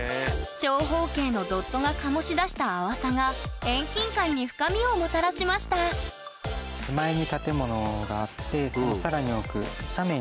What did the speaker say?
長方形のドットが醸し出した淡さが遠近感に深みをもたらしましたいやすごいわ。